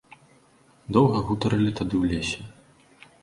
Доўга гутарылі тады ў лесе.